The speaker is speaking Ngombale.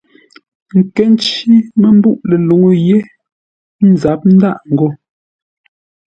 Ə́ nkə́ ncí mə́ mbûʼ ləluŋú yé ńzáp ńdâʼ ngô.